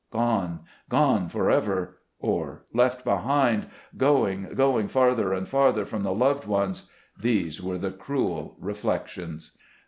"Gone, gone, forever," or "left behind," "going, going, farther and farther from the loved ones," these were the cruel reflections.